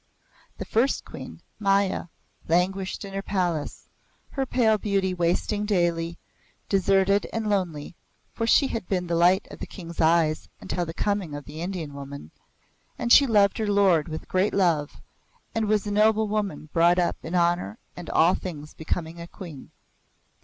The First Queen, Maya, languished in her palace, her pale beauty wasting daily, deserted and lonely, for she had been the light of the King's eyes until the coming of the Indian woman, and she loved her lord with a great love and was a noble woman brought up in honour and all things becoming a queen.